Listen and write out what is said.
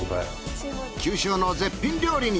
九州の絶品料理に。